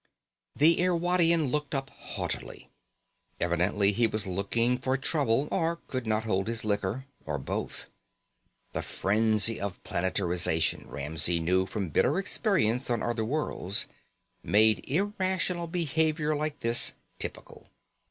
The Irwadian looked up haughtily. Evidently he was looking for trouble, or could not hold his liquor, or both. The frenzy of planetarization, Ramsey knew from bitter experience on other worlds, made irrational behavior like this typical.